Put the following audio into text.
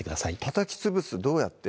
たたきつぶすどうやって？